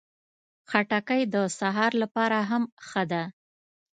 خټکی د سهار لپاره هم ښه ده.